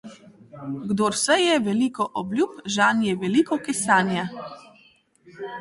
Kdor seje veliko obljub, žanje veliko kesanja.